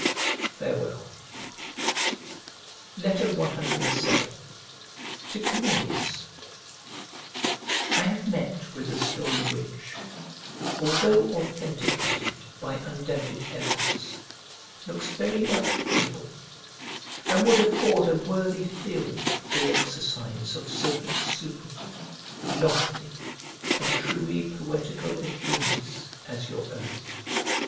Farewell. CVII To CANINIUS I HAVE met with a story, which, although authenticated by undoubted evidence, looks very like fable, and would afford a worthy field for the exercise of so exuberant, lofty, and truly poetical a genius as your own.